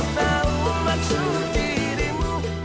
neng rasuha neng